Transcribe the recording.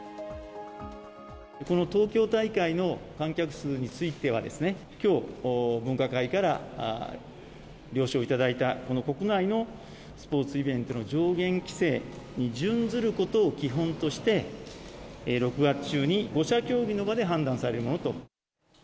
この東京大会の観客数についてはですね、きょう分科会から了承いただいた、この国内のスポーツイベントの上限規制に準ずることを基本として、６月中に５者協議の場で判断されるものと。